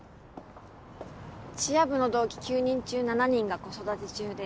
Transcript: チア部の同期９人中７人が子育て中で。